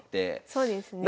そうですね。